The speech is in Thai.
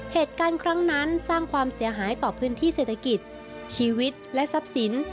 เหตุการณ์ครั้งนั้นสร้างความเสียหายต่อพื้นที่เศรษฐกิจชีวิตและทรัพย์สิน